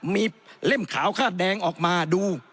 มีเล่มขาวคาดแดงออกมาดู